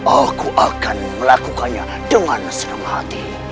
aku akan melakukannya dengan senang hati